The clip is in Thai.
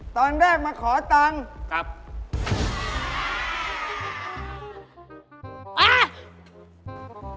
ตอนแรกมาขอตังค์ครับโอ้โฮ